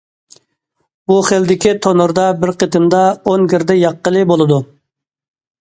بۇ خىلدىكى تونۇردا بىر قېتىمدا ئون گىردە ياققىلى بولىدۇ.